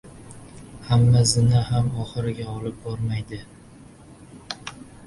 • Hamma zina ham oxiriga olib bormaydi.